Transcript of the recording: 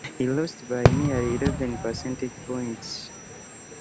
He lost by nearly eleven percentage points.